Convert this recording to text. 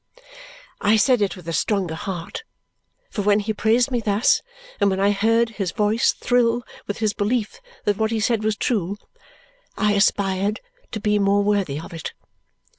I said it with a stronger heart, for when he praised me thus and when I heard his voice thrill with his belief that what he said was true, I aspired to be more worthy of it.